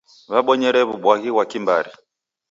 W'abonyere w'ubwaghi ghwa kimbari.